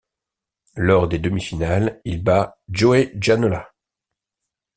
Lors des demi-finales, il bat Joey Janela.